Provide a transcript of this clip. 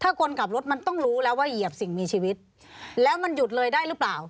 ถ้าคนขับรถมันต้องรู้แล้วว่าเหยียบสิ่งมีชีวิตแล้วมันหยุดเลยได้หรือเปล่า